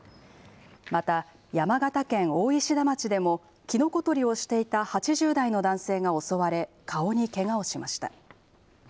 また、山形県大石田町でもキノコ採りをしていた８０代の男性が襲われ、顔にけがをしました。